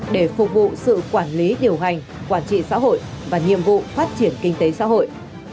để phục vụ sự quản lý điều hành quản trị xã hội và nhiệm vụ phát triển kinh tế xã hội